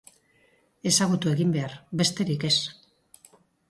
Ezagutu egin behar, besterik ez.